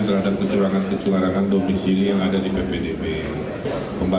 terhadap kecurangan kecurangan domisili yang ada di ppdb